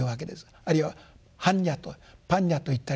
あるいは般若と「パンニャ」といったりするわけです。